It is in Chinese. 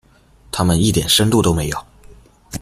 他们一点深度都没有。